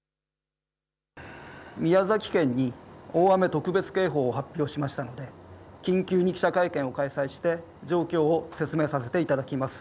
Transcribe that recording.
宮崎県に大雨特別警報を発表をしましたので緊急に記者会見を開催して状況を説明させていただきます。